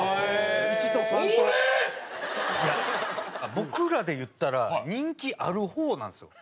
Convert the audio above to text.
僕らでいったら人気ある方なんですよ。